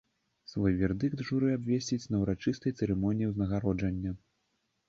Свой вердыкт журы абвесціць на ўрачыстай цырымоніі ўзнагароджання.